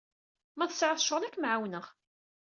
Ma tesɛiḍ ccɣel, ad kem-ɛawneɣ.